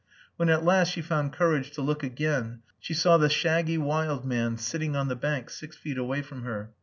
When at last she found courage to look again, she saw the shaggy wild man sitting on the bank six feet away from her.